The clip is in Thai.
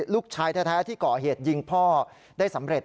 ลูกชายแท้ที่ก่อเหตุยิงพ่อได้สำเร็จ